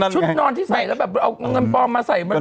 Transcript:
นอนที่ใส่แล้วแบบเอาเงินปลอมมาใส่มันเลย